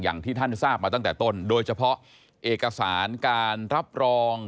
อย่างที่ท่านทราบมาตั้งแต่ต้นโดยเฉพาะเอกสารการรับรอง